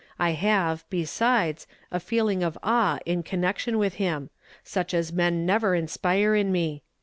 I have, besides, a feeling of awe in connection with him ; such as men never inspire in me.